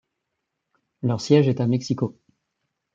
Leur siège est à Mexico.